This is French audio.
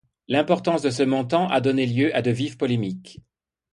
L'importance de ce montant a donné lieu à de vives polémiques.